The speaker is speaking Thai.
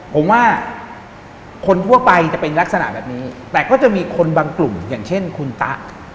ผมว่าคนทั่วไปจะเป็นลักษณะแบบนี้แต่ก็จะมีคนบางกลุ่มอย่างเช่นคุณตะ